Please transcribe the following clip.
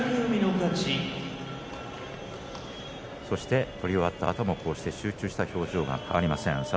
そして取り終わったあとも集中した表情が変わりません。